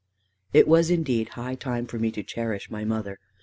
It was indeed high time for me to cherish my mother.